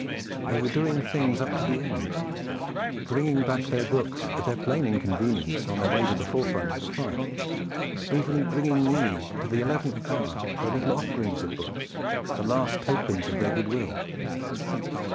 They were doing things up to the end; bringing back their books, at their plain inconvenience, on their way to the forefront of the fight; even bringing me, to the eleventh hour, their little offerings of books, the last tokens of their good will.